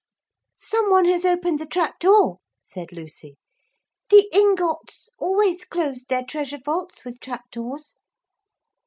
'Some one has opened the trap door,' said Lucy. 'The Ingots always closed their treasure vaults with trap doors.'